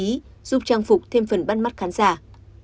giúp trang phục thêm phần bắt mắt khán giả